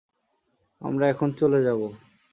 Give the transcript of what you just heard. আমরা এখন চলে যাব।